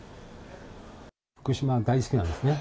福島大好きなんですね。